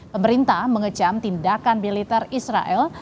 pemerintah mengecam tindakan militer israel